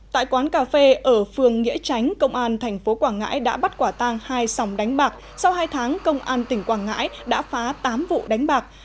tại quán cà phê ở phường nghĩa tránh công an tp quảng ngãi đã bắt quả tang hai sòng đánh bạc sau hai tháng công an tỉnh quảng ngãi đã phá tám vụ đánh bạc